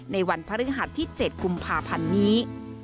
ในวันพฤหัสที่๗กุมภาพันธ์นี้